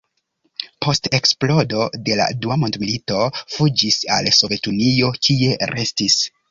Post eksplodo de la dua mondmilito fuĝis al Sovetunio, kie restis.